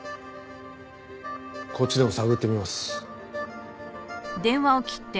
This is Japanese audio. こっちでも探ってみます。